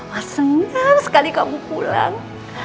mama senggap sekali kamu pulang